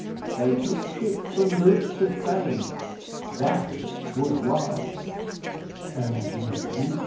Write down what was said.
They took ship from Lewes to Spain. That was wise!' 'And you?